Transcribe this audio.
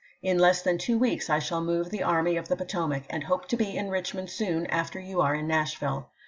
In less than two weeks I shall move the Army of the Potomac, and hope to be in Richmond soon Mccieuan after you are in Nashville.